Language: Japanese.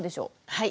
はい。